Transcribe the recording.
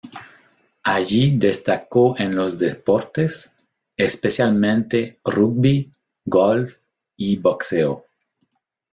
Allí destacó en los deportes, especialmente rugby, golf y boxeo.